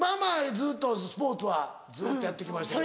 ずっとスポーツはずっとやって来ました。